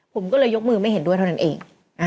ผมก็เลยยกมือไม่เห็นด้วยเท่านั้นเอง